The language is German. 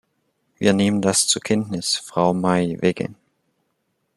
Wir nehmen das zur Kenntnis, Frau Maij-Weggen.